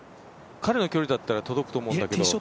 彼の距離だったら届くと思うんだけど。